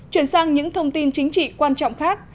chuyển sang những thông tin chính trị quan trọng khác